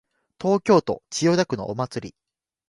東京都千代田区のお祭り